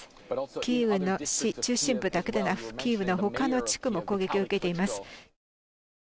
キーウの中心部だけでなくキーウの他の地区も攻撃を受けています。